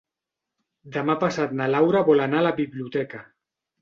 Demà passat na Laura vol anar a la biblioteca.